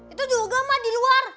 itu juga gama di luar